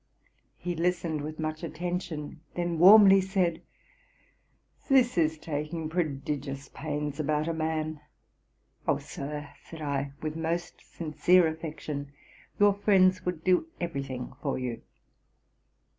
He listened with much attention; then warmly said, 'This is taking prodigious pains about a man.' 'O! Sir, (said I, with most sincere affection,) your friends would do every thing for you.'